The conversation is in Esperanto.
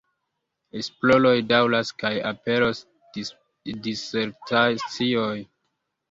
Esploroj daŭras kaj aperos disertacioj.